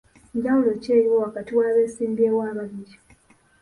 Njawulo ki eriwo wakati w'abeesimbyewo ababiri?